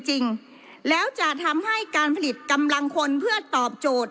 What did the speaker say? จริงแล้วจะทำให้การผลิตกำลังคนเพื่อตอบโจทย์